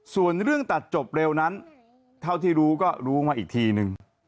ส่วนเรื่องตัดจบเร็วนั้นเท่าที่รู้ก็รู้มาอีกทีนึง